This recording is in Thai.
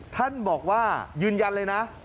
ท่านบอกว่ายืนยันเลยนะ